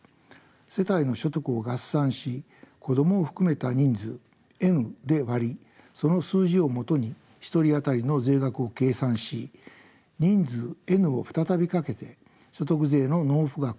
世帯の所得を合算し子どもを含めた人数「Ｎ」で割りその数字をもとに１人あたりの税額を計算し人数「Ｎ」を再びかけて所得税の納付額を算出する税制です。